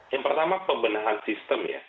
yang pertama pembenahan sistem